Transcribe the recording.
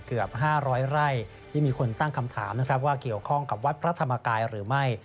เกือบ๕๐๐ไร่ที่มีคนตั้งคำถามนะครับว่าเกี่ยวข้องกับวัดพระธรรมกายหรือไม่